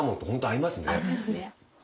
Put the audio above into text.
・合いますね・